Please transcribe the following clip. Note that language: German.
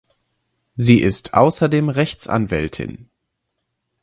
Sie ist ausserdem Rechtsanwältin.